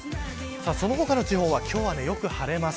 その他の地方は今日はよく晴れます。